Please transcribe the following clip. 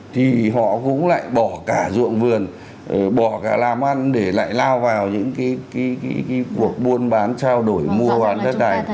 thì họ cũng lại bỏ cả ruộng vườn bỏ cả làm ăn để lại lao vào những cái cuộc buôn bán trao đổi mua hoàn đất đai